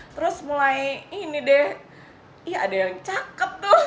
terus mulai ini deh ya ada yang cakep tuh